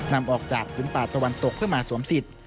นำออกจากพื้นป่าตะวันตกเพื่อมาสวมสิทธิ์